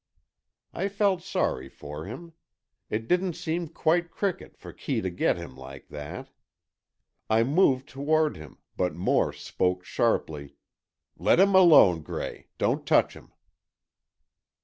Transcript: I felt sorry for him. It didn't seem quite cricket for Kee to get him like that. I moved toward him, but Moore spoke sharply: "Let him alone, Gray, don't touch him."